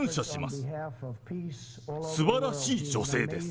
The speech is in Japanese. すばらしい女性です。